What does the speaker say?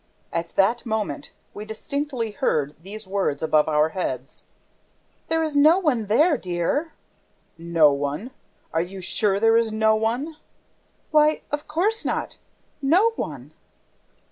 At that moment, we distinctly heard these words above our heads: "There is no one there, dear!" "No one? ... Are you sure there is no one?" "Why, of course not ... no one!"